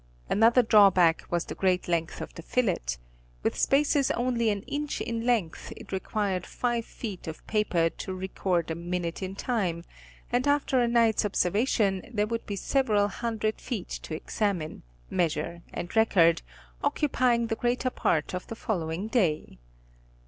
Another drawback was the great length of the fillet ; with spaces only an inch in length, it required five feet of paper to record a minute in time, and after a night's observation, there would be several hundred feet to examine, measure and record, occupying the greater part of the following day.